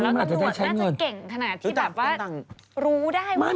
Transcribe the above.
แล้วตำรวจน่าจะเก่งขนาดที่แบบว่ารู้ได้มาก